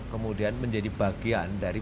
kemudian menjadi bagian dari